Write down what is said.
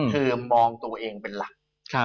คือมองตัวเองเป็นหลัก